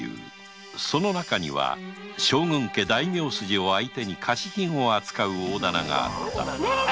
その中には将軍家・大名筋を相手に下賜品を扱う大店があった